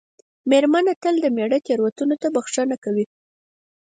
مېرمنه تل د مېړه تېروتنو ته بښنه کوي.